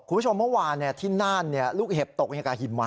คุณผู้ชมเมื่อวานที่น่านลูกเห็บตกอย่างกับหิมะ